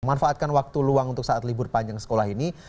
manfaatkan waktu luang untuk saat libur panjang sekolah ini